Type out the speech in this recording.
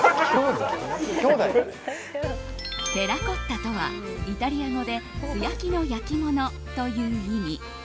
テラコッタとはイタリア語で素焼きの焼き物という意味。